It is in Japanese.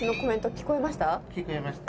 聞こえました。